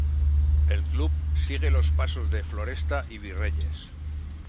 El club sigue los pasos de Floresta y Virreyes.